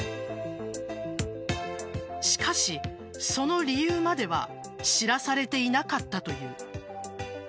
しかし、その理由までは知らされていなかったという。